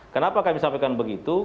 kenapa kami sampaikan begitu